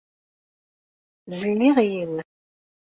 Zelliɣ yiwet.